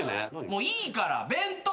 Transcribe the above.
もういいから弁当。